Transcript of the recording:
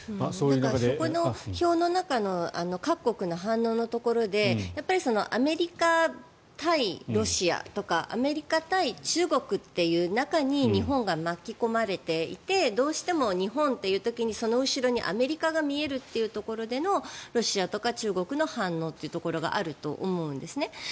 そこの表の中の各国の反応のところでアメリカ対ロシアとかアメリカ対中国っていう中に日本が巻き込まれていてどうしても日本っていう時にその後ろにアメリカが見えるというところでのロシアとか中国の反応というところがあると思うんですね。